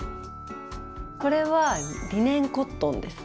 これはリネンコットンです。